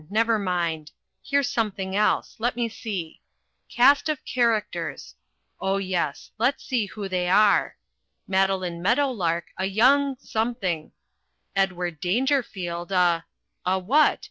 Never mind, here's something else, let me see CAST OF CHARACTERS Oh, yes let's see who they are MADELINE MEADOWLARK, a young something EDWARD DANGERFIELD, a a what?